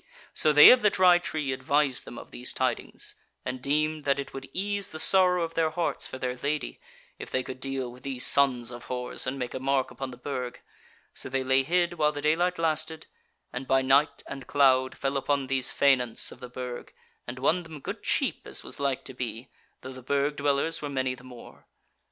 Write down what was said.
So they of the Dry Tree advised them of these tidings, and deemed that it would ease the sorrow of their hearts for their Lady if they could deal with these sons of whores and make a mark upon the Burg: so they lay hid while the daylight lasted, and by night and cloud fell upon these faineants of the Burg, and won them good cheap, as was like to be, though the Burg dwellers were many the more.